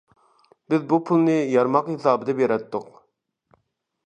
بىز بۇ پۇلنى يارماق ھېسابىدا بېرەتتۇق.